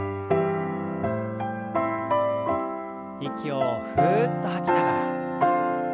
息をふっと吐きながら。